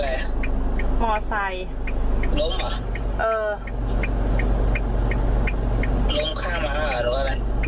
ล้มข้างมาหรือว่าอะไร